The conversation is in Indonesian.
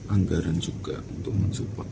anggaran juga untuk men support